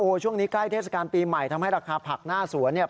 ช่วงนี้ใกล้เทศกาลปีใหม่ทำให้ราคาผักหน้าสวนเนี่ย